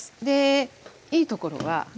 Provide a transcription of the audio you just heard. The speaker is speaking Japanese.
でいいところは。